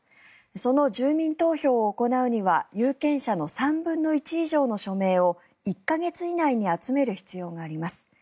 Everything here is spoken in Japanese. その住民投票を行うには有権者の３分の１以上の署名を１か月以内に集める必要があります。